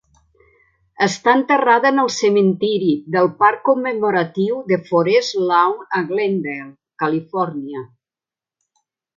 Està enterrada en el cementiri del parc commemoratiu de Forest Lawn a Glendale, Califòrnia.